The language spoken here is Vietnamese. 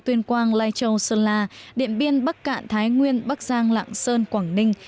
tuyên quang lai châu sơn la điện biên bắc cạn thái nguyên bắc giang lạng sơn quảng ninh